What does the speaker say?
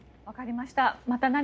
わかりました。